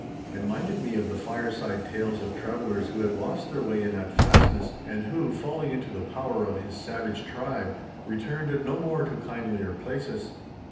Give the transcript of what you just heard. I minded me of the fireside tales of travellers who had lost their way in that fastness, and who, falling into the power of his savage tribe, returned no more to kindlier places.